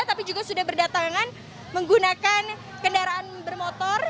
tapi juga sudah berdatangan menggunakan kendaraan bermotor